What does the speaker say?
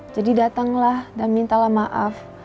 jadi datanglah dan mintalah maaf